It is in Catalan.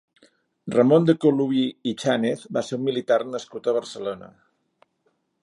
Ramón de Colubí i Chánez va ser un militar nascut a Barcelona.